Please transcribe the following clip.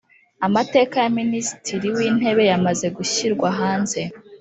Amateka ya Minisitiri w’intebe yamaze gushyirwa hanze